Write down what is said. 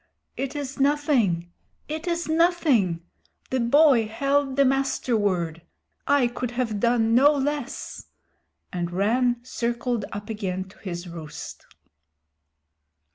"It is nothing. It is nothing. The boy held the Master Word. I could have done no less," and Rann circled up again to his roost.